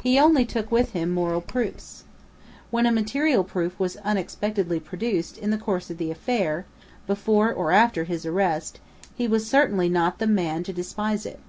He only took with him moral proofs. When a material proof was unexpectedly produced in the course of the affair, before or after his arrest, he was certainly not the man to despise it.